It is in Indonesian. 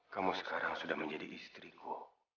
kamu sekarang sudah menjadi istriku